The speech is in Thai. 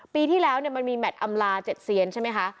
ปีที่แล้วมันมีแมทอำลา๗เซียนใช่ไหมคะ